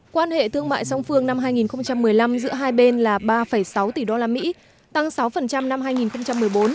quan hệ thương mại song phương năm hai nghìn một mươi năm giữa hai bên là ba sáu tỷ usd tăng sáu năm hai nghìn một mươi bốn